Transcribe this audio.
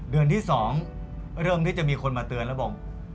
เดือนที่๒เรื่องที่จะมีคนมาเตือนแล้วบอก